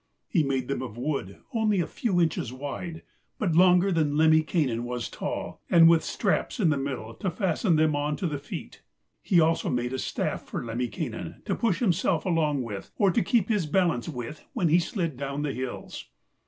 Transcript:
He made them of wood, only a few inches wide, but longer than Lemminkainen was tall, and with straps in the middle to fasten them on to the feet; and he also made a staff for Lemminkainen to push himself along with, or to keep his balance with when he slid down the hills.